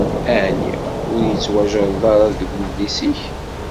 Ɛni ur ittwajerred ara deg udlis-ik?